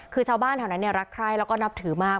คือชาวบ้านแถวนั้นรักใคร่แล้วก็นับถือมาก